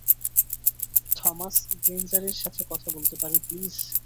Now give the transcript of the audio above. Thomas গ্রেঞ্জারের সাথে কথা বলতে পারি, প্লিজ?